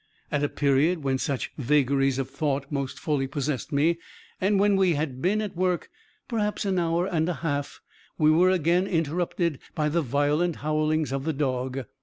At a period when such vagaries of thought most fully possessed me, and when we had been at work perhaps an hour and a half, we were again interrupted by the violent howlings of the dog.